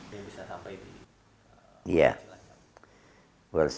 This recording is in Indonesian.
bisa sampai di cilacap